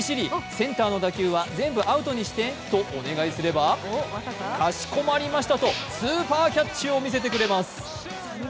センターの打球は全部アウトにして」とお願いすれば「かしこまりました」とスーパーキャッチを見せてくれます。